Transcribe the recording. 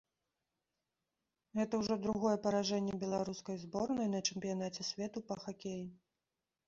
Гэта ўжо другое паражэнне беларускай зборнай на чэмпіянаце свету па хакеі.